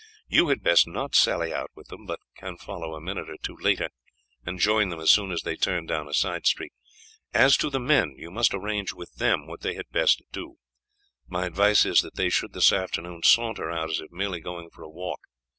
You had best not sally out with them, but can follow a minute or two later and join them as soon as they turn down a side street. As to the men, you must arrange with them what they had best do. My advice is that they should this afternoon saunter out as if merely going for a walk.